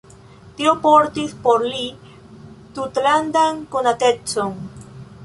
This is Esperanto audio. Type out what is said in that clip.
Tio portis por li tutlandan konatecon.